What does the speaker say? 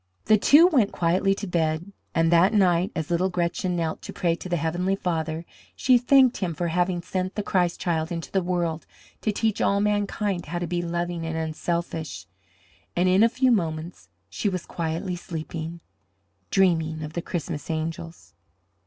The two went quietly to bed, and that night as little Gretchen knelt to pray to the Heavenly Father, she thanked him for having sent the Christ Child into the world to teach all mankind how to be loving and unselfish, and in a few moments she was quietly sleeping, dreaming of the Christmas angels.